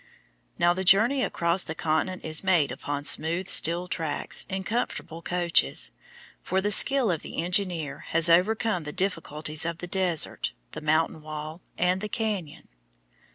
Now the journey across the continent is made upon smooth steel tracks in comfortable coaches, for the skill of the engineer has overcome the difficulties of the desert, the mountain wall, and the cañon.